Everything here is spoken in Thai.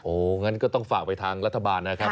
งั้นก็ต้องฝากไปทางรัฐบาลนะครับ